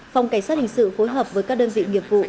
phòng cảnh sát hình sự phối hợp với các đơn vị nghiệp vụ